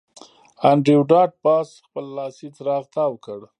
انډریو ډاټ باس خپل لاسي څراغ تاو کړ